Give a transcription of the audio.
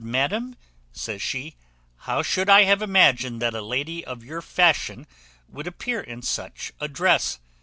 madam," says she, "how should I have imagined that a lady of your fashion would appear in such a dress?